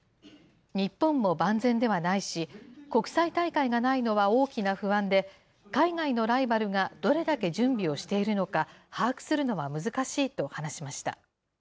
日本も万全ではないし、国際大会がないのは大きな不安で、海外のライバルがどれだけ準備をしているのか、把握するのは難しいと話しました。